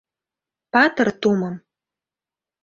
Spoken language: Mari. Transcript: Патыр тумым!